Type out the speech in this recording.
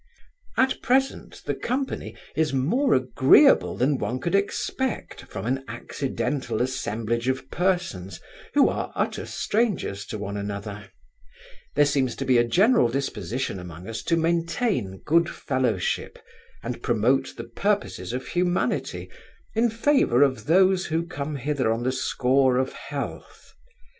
At present, the company is more agreeable than one could expect from an accidental assemblage of persons, who are utter strangers to one another There seems to be a general disposition among us to maintain good fellowship, and promote the purposes of humanity, in favour of those who come hither on the score of health.